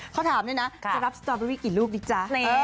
เขาถามด้วยนะจะรับสตอเบอรี่กี่ลูกดิจ๊ะ